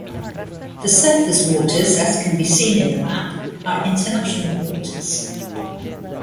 The surface waters, as can be seen in the map, are international waters.